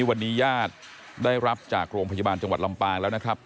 วันนี้ญาติได้รับจากโรงพยาบาลจังหวัดลำปางแล้วนะครับ